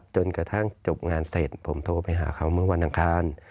จนกระทั่งจบงานเสร็จผมโทรไปหาเขาเมื่อวันอังคาร